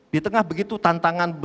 di tengah begitu tantangan